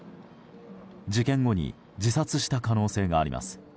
事件後に自殺した可能性があります。